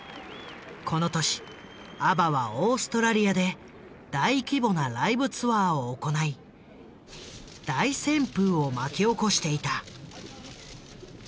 この年ＡＢＢＡはオーストラリアで大規模なライブツアーを行い大旋風を巻き起こしていた。